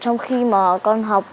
trong khi mà con học